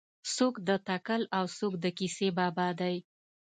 څوک د تکل او څوک د کیسې بابا دی.